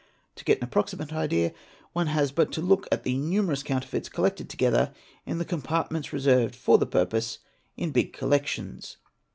To get an approximate idea 'one has but to look at the numerous counterfeits collected together in _ the compartments reserved for the purpose in big collections.